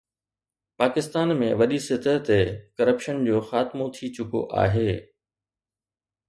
پاڪستان ۾ وڏي سطح تي ڪرپشن جو خاتمو ٿي چڪو آهي